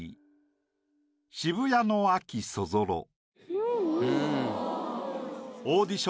うん。